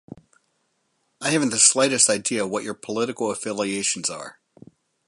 I haven't the slightest idea what your political affiliations are.